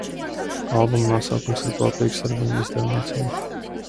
Albuma nosaukums ir kopīgs ar viņa izdevniecību.